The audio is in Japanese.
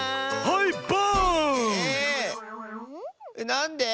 なんで？